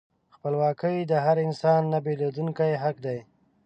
خپلواکي د هر انسان نهبیلېدونکی حق دی.